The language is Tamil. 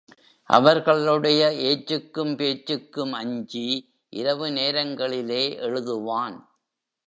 அவர்களுடைய ஏச்சுக்கும் பேச்சுக்கும் அஞ்சி, இரவு நேரங்களிலே எழுதுவான்.